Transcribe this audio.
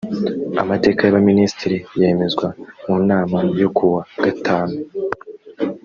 amateka y’ abaminisitiri yemezwa mu nama yo ku wa gatanu